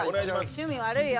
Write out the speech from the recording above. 趣味悪いよ。